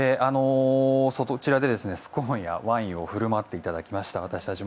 そちらで、スコーンやワインを私たちも振る舞ってもらいました。